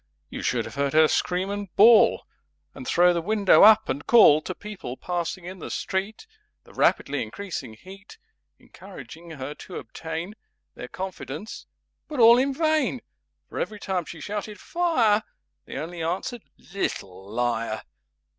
You should have heard her Scream and Bawl, [Pg 27] And throw the window up and call To People passing in the Street— (The rapidly increasing Heat Encouraging her to obtain Their confidence)—but all in vain! For every time She shouted "Fire!" They only answered "Little Liar!"